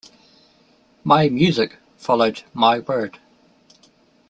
"My Music" followed "My Word!